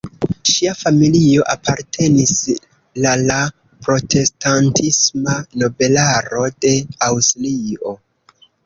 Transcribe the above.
Ŝia familio apartenis la la protestantisma nobelaro de Aŭstrio.